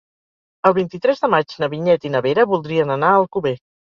El vint-i-tres de maig na Vinyet i na Vera voldrien anar a Alcover.